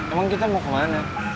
emang kita mau kemana